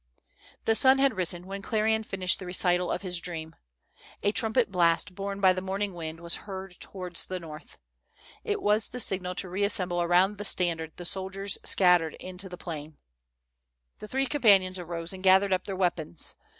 The sun had risen when Clerian finished the recital of his dream. A trumpet blast borne by the morning wind was heard towards the north. It was tlie signal to reassemble around the standard the soldiers scattered in the plain. Tiie three companions arose and gathered up their weapons.